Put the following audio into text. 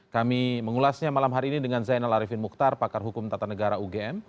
kami mengulasnya malam hari ini dengan zainal arifin mukhtar pakar hukum tata negara ugm